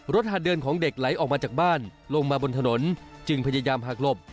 หาดเดินของเด็กไหลออกมาจากบ้านลงมาบนถนนจึงพยายามหักหลบ